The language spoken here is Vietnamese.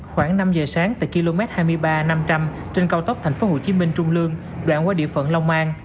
khoảng năm giờ sáng tại km hai mươi ba năm trăm linh trên cao tốc tp hcm trung lương đoạn qua địa phận long an